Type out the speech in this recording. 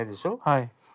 はい。